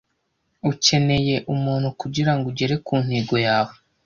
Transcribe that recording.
ukeneye umuntu kugirango ugere ku ntego yawe